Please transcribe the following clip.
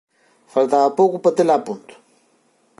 Faltaba pouco para tela a punto.